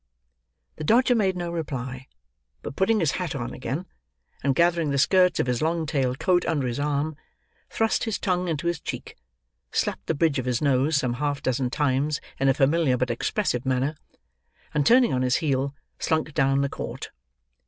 The Dodger made no reply; but putting his hat on again, and gathering the skirts of his long tailed coat under his arm, thrust his tongue into his cheek, slapped the bridge of his nose some half dozen times in a familiar but expressive manner, and turning on his heel, slunk down the court.